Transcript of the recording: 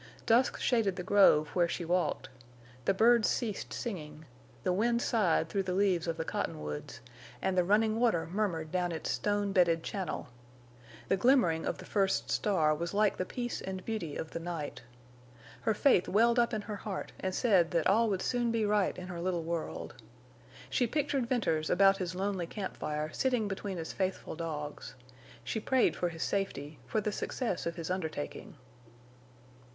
Dusk shaded the grove where she walked; the birds ceased singing; the wind sighed through the leaves of the cottonwoods, and the running water murmured down its stone bedded channel. The glimmering of the first star was like the peace and beauty of the night. Her faith welled up in her heart and said that all would soon be right in her little world. She pictured Venters about his lonely camp fire sitting between his faithful dogs. She prayed for his safety, for the success of his undertaking.